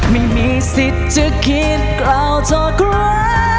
ไม่มีสิทธิ์จะคิดเราเท่ากลาย